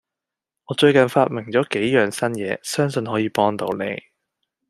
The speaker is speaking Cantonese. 我最近發明咗幾樣新嘢，相信可以幫到你